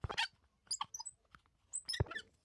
তাহলে আমি খুশি হব।